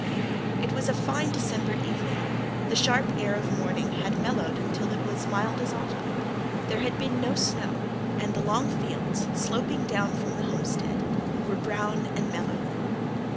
It was a fine December evening; the sharp air of morning had mellowed until it was as mild as autumn. There had been no snow, and the long fields, sloping down from the homestead, were brown and mellow.